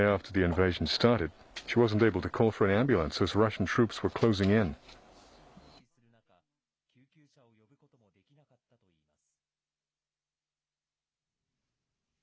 ロシア軍が街を包囲する中、救急車を呼ぶこともできなかったといいます。